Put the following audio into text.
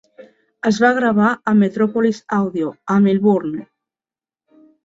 Es va gravar a Metropolis Audio a Melbourne.